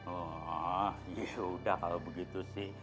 oh ya sudah kalau begitu sih